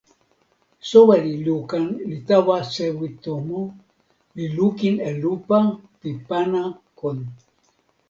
soweli Lukan li tawa sewi tomo, li lukin e lupa pi pana kon.